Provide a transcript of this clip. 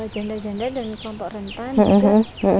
janda janda dan kelompok rentan gitu